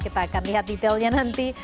kita akan lihat detailnya nanti